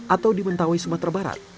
atau di mentawai sumatera barat